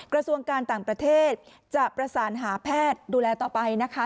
กระทรวงการต่างประเทศจะประสานหาแพทย์ดูแลต่อไปนะคะ